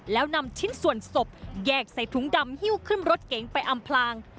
แล้วนำชิ้นส่วนศพแยกใส่ถุงดำฮิ้วขึ้นรถเก๋งไปอำพลาง